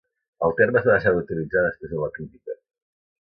el terme es va deixar d'utilitzar després de la crítica